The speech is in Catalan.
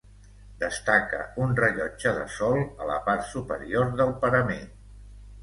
Destaca un rellotge de sol a la part superior del parament.